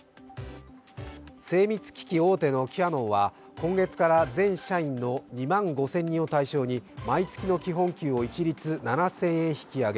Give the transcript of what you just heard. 精密機器大手のキヤノンは今月から全社員の２万５０００人を対象に毎月の基本給を一律７０００円引き上げ。